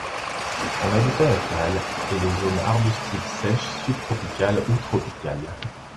Son habitat naturel est les zones arbustives sèches subtropicales ou tropicales.